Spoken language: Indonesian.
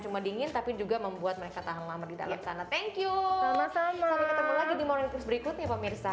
cuma dingin tapi juga membuat mereka tahan lama di dalam sana thank you sama sama tapi ketemu lagi di moral tirs berikutnya pemirsa